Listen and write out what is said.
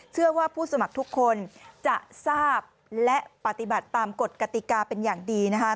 เชื่อว่าผู้สมัครทุกคนจะทราบและปฏิบัติตามกฎกติกาเป็นอย่างดีนะคะ